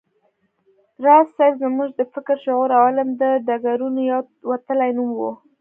راز صيب زموږ د فکر، شعور او علم د ډګرونو یو وتلی نوم و